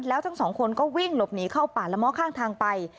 แล้วทั้งสองคนก็วิ่งหลบหนีเข้าป่าละม้อข้างทางไป